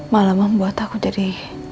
malah membuat aku jadi